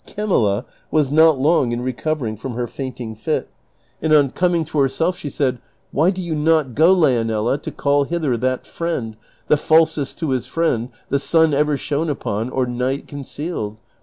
Camilla was not long in I'ecovering from her fainting fit, and on coming to herself she said, " Why do you not go, Leonela, to call hither that friend, the falsest to his friend the sun ever shone upon or night concealed?